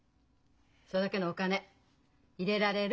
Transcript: それだけのお金入れられる？